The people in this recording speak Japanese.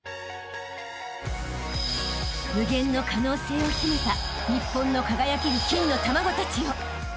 ［無限の可能性を秘めた日本の輝ける金の卵たちよ］